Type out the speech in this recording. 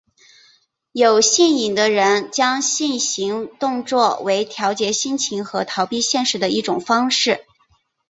有性瘾的人将性行动作为调节心情和逃避现实的一种方式。